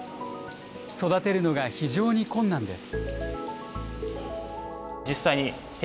育てるのが非常に困難です。